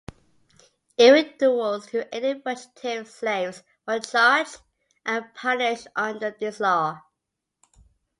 Individuals who aided fugitive slaves were charged and punished under this law.